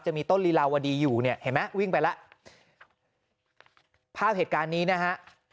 จะมีต้นลีลาวดีอยู่เนี่ยเห็นไหมวิ่งไปแล้วภาพเหตุการณ์นี้นะฮะ